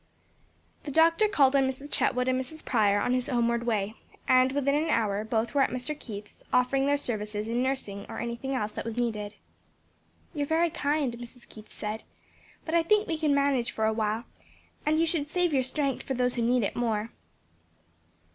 The doctor called on Mrs. Chetwood and Mrs. Prior on his homeward way, and within an hour both were at Mr. Keith's offering their services in nursing or any thing else that was needed. "You are very kind," Mrs. Keith said, "but I think we can manage for a while, and that you should save your strength for those who need it more."